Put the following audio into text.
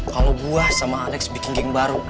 kalau gue sama alex bikin geng baru